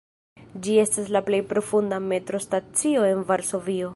Ĝi estas la plej profunda metrostacio en Varsovio.